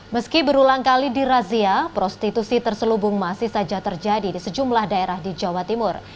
meski berulang kali dirazia prostitusi terselubung masih saja terjadi di sejumlah daerah di jawa timur